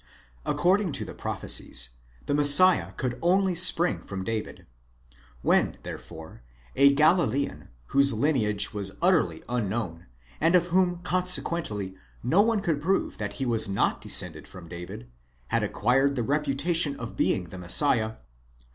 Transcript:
According to the ΤΥ prophecies, the Messiah could only semg from David When thorefore a > Gablean, whose hneage was utterly unknown, and of whom consequently no _ ne could prove that he Gas not descended from David, had acqmred the * Thes Eichhorn, Emil m ds N. T.